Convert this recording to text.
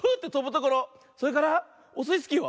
それからオスイスキーは？